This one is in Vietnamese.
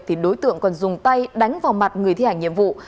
thì đối tượng còn dùng tay đánh vào mặt người thi hành nhiệm vụ